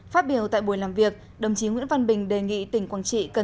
phát biểu tại buổi làm việc đồng chí nguyễn phan bình đề nghị tỉnh quảng trị